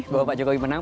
bahwa pak jokowi menang